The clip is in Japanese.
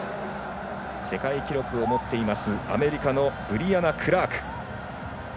世界記録を持っているアメリカのクラーク。